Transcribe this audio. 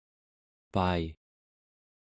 pai²